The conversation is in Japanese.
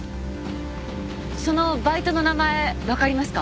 そのバイトの名前わかりますか？